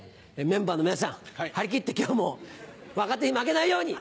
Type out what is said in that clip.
メンバーの皆さん張り切って今日も若手に負けないように。